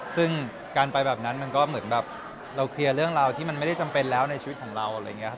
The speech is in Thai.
ซึ่งการไปแบบนั้นมันก็เหมือนแบบเราเคลียร์เรื่องราวที่มันไม่ได้จำเป็นแล้วในชีวิตของเราอะไรอย่างนี้ครับ